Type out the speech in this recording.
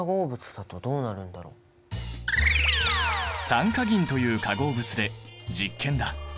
酸化銀という化合物で実験だ！